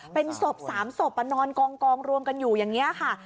เป็นศพ๓ศพนอนกองรวมกันอยู่อย่างนี้ค่ะ